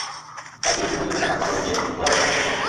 তাই চরিত্রের প্রয়োজনেই তাঁকে আস্তাবলে গিয়ে ঘোড়া বশে আনা শিখতে হবে।